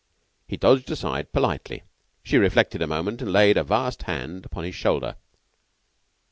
He dodged aside politely. She reflected a moment, and laid a vast hand upon his shoulder.